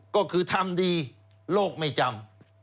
ก็คือทำดีโลกไม่จำ